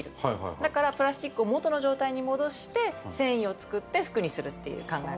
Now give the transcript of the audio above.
だからプラスチックを元の状態に戻して繊維を作って服にするっていう考え方。